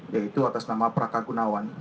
yaitu atas nama prakagunawan